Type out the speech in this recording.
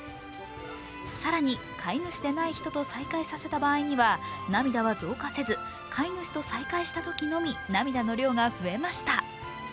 更に飼い主でない人と再会させた場合には涙は増加せず、飼い主と再会したときのみ涙の量が増えました。